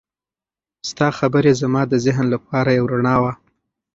ستا خبرې زما د ذهن لپاره یو رڼا وه.